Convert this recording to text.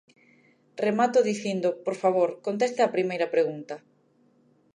Remato dicindo: por favor, conteste á primeira pregunta.